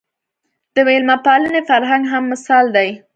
د مېلمه پالنې فرهنګ هم مثال دی